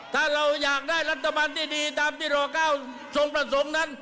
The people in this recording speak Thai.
ถ้าเราอยากได้รัฐบาลที่ดีตามที่ร๙ทรงประสงค์นั้น